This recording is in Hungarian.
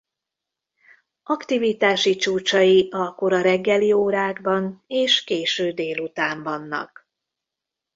Aktivitási csúcsai a kora reggeli órákban és késő délután vannak.